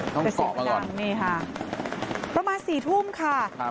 ต้องเกาะมาก่อนนี่ค่ะประมาณสี่ทุ่มค่ะครับ